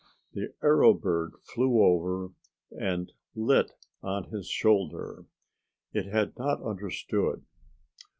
The arrow bird flew over and lit on his shoulder. It had not understood.